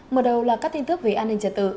mở đầu là các tin tức về an ninh trật tự